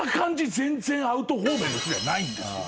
全然アウト方面の人じゃないんです。